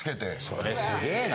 それすげえな。